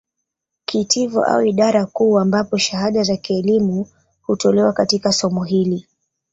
Kitivo au idara kuu ambapo shahada za kielimu hutolewa katika somo hili